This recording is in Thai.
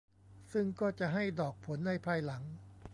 ซึ่งก็จะให้ดอกผลในภายหลัง